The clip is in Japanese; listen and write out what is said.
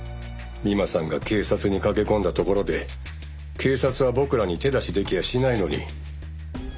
美馬さんが警察に駆け込んだところで警察は僕らに手出しできやしないのに。